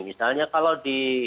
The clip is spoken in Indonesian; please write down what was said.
misalnya kalau di